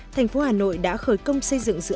thành phố hà nội đã khởi công xây dựng dự án